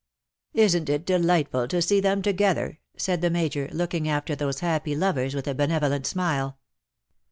"Isn^t it delightful to see them together!" said the Major, looking after those happy lovers with a benevolent smile.